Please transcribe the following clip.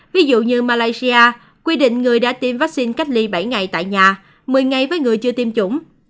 ví dụ như malaysia quy định người đã tiêm vaccine cách ly bảy ngày tại nhà một mươi ngày với người chưa tiêm chủng